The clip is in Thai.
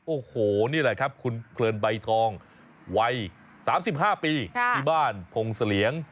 โอ้โหนี่แหละครับคุณเพลินใบทองวัย๓๕ปีที่บ้านพงเสลียง